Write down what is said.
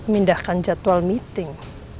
pindahkan jadwal meeting